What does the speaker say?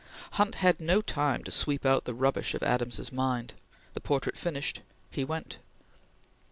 Hunt had no time to sweep out the rubbish of Adams's mind. The portrait finished, he went.